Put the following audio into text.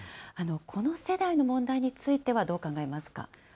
この世代の問題についてはどう考えますか。